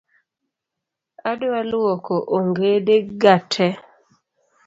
Adwa luoko ongede ga tee